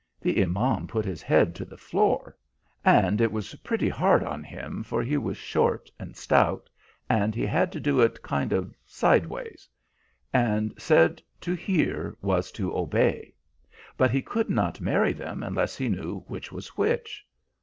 "The Imam put his head to the floor and it was pretty hard on him, for he was short and stout, and he had to do it kind of sideways and said to hear was to obey; but he could not marry them unless he knew which was which.